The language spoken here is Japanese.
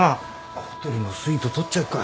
ホテルのスイート取っちゃうか。